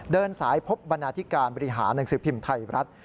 เดินสายพบบรรณาธิการบริหารหนังสือพิมพ์ไทยรัฐ